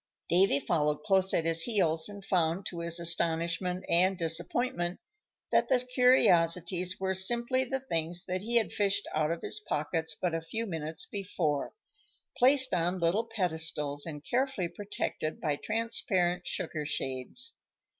Davy followed close at his heels, and found, to his astonishment and disappointment, that the curiosities were simply the things that he had fished out of his pockets but a few minutes before, placed on little pedestals and carefully protected by transparent sugar shades.